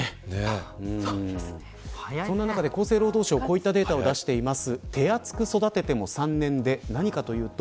そんな中で厚生労働省はこういったデータを出しています。